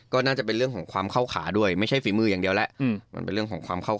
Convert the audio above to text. เขาจะเริ่มหล่อแล้ว